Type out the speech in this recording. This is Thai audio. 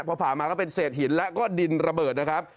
พอผ่ามาก็เป็นเศษหินแล้วก็ดินระเบิดนะครับ